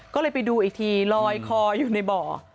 ก็เลยไปดูอีกทีลอยคออยู่ในบ่อ